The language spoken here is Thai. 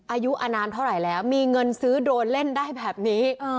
อายุอนานเท่าไหร่แล้วมีเงินซื้อโดรนเล่นได้แบบนี้